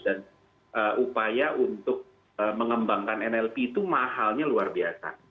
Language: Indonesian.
dan upaya untuk mengembangkan nlp itu mahalnya luar biasa